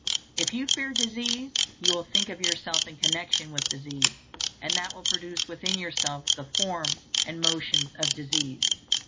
If you fear disease, you will think of yourself in connection with disease; and that will produce within yourself the form and motions of disease.